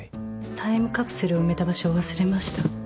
タイムカプセルを埋めた場所を忘れました。